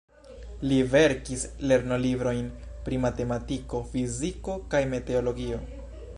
Li verkis lernolibrojn pri matematiko, fiziko kaj meteologio.